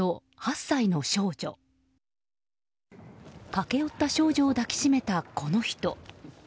駆け寄った少女を抱きしめたこの人。